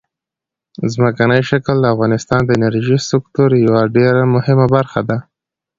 ځمکنی شکل د افغانستان د انرژۍ سکتور یوه ډېره مهمه برخه ده.